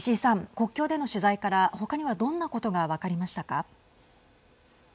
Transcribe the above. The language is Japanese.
国境での取材から他にはどんなことが分かりましたか。